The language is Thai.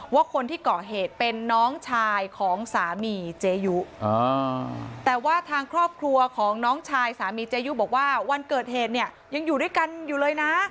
ว่าคนที่ก่อเหตุเป็นน้องชายของสามีเจยุแต่ว่าทางครอบครัวของน้องชายสามีเจยุบอกว่าวันเกิดเหตุเนี่ยยังอยู่ด้วยกันอยู่เลยนะ